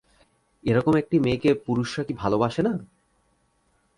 এ রকম একটি মেয়েকে পুরুষরা কি ভালোবাসে না?